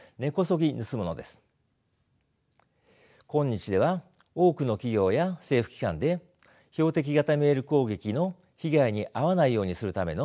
今日では多くの企業や政府機関で標的型メール攻撃の被害に遭わないようにするための訓練を行っていますね。